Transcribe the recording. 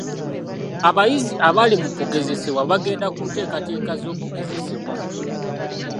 Abayizi abali mu kugezesebwa bagenda ku nteekateeka z'okugezesebwa